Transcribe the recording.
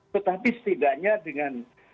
tetapi setidaknya dengan